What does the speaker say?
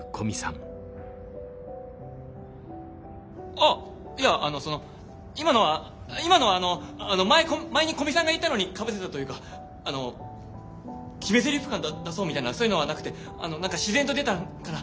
あっいやあのその今のは今のはあの前前に古見さんが言ったのにかぶせたというかあの決めゼリフ感だ出そうみたいなそういうのはなくて何か自然と出たから。